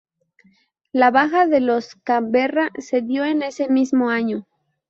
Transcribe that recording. La baja de los "Canberra" se dio en ese mismo año.